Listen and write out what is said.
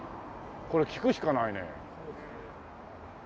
これ聞くしかないねえ。